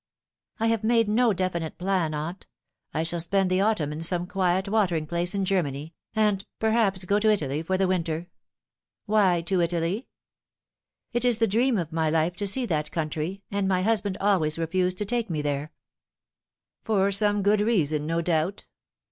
" I have made no definite plan, aunt. I shall spend the autumn in some quiet watering place in Germany, and perhaps go to Italy for the winter." "Why to Italy?" " It is the dream of my life to see that country, and my hus band always refused to take me there." 172 The Fatal Three. " For some good reason, no doubt."